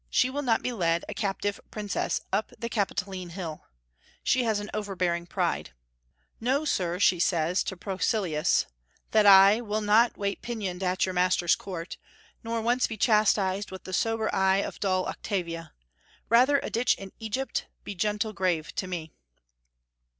She will not be led a captive princess up the Capitoline Hill. She has an overbearing pride. "Know, sir," says she to Proculeius, "that I "Will not wait pinion'd at your master's court, Nor once be chastis'd with the sober eye Of dull Octavia.... ... Rather a ditch in Egypt Be gentle grave to me!"